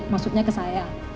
maksudnya ke saya